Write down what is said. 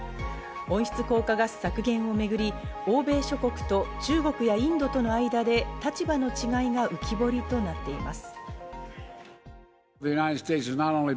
温室効果ガス削減をめぐり、欧米諸国と中国やインドとの間で立場の違いが浮き彫りとなっています。